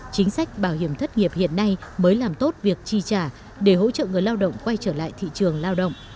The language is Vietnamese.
chính sách bảo hiểm thất nghiệp hiện nay mới làm tốt việc chi trả để hỗ trợ người lao động quay trở lại thị trường lao động